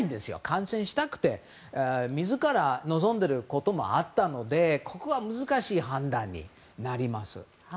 観戦したくて自ら望んでいることもあったのでここは難しい判断になります。